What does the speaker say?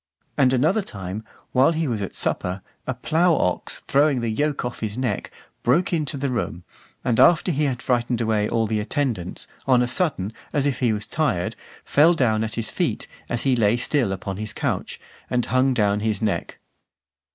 And another time, while he was at supper, a plough ox throwing the yoke off his neck, broke into the room, and after he had frightened away all the attendants, (447) on a sudden, as if he was tired, fell down at his feet, as he lay still upon his couch, and hung down his neck.